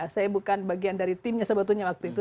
saya bukan bagian dari timnya sebetulnya waktu itu